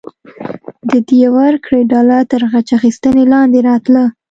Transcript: د دیه ورکړې ډله تر غچ اخیستنې لاندې راتله.